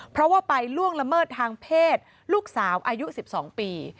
เพราะว่าไปล่วงละเมิดทางเพศลูกสาวอายุ๑๒ปี